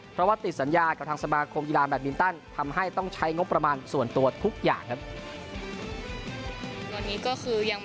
เพราะว่าติดสัญญากับทางสมาคมกีฬาแบตมินตันทำให้ต้องใช้งบประมาณส่วนตัวทุกอย่างครับ